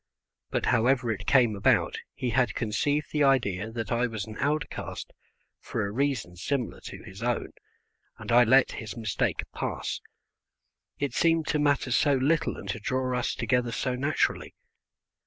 But however it came about he had conceived the idea that I was an outcast for a reason similar to his own, and I let his mistake pass, it seemed to matter so little and to draw us together so naturally.